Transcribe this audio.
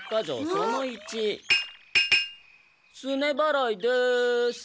その一すねばらいです。